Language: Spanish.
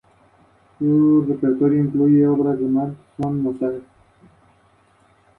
Dado su formato, no hubo descensos.